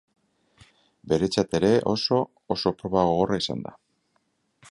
Beretzat ere oso, oso proba gogorra izan da.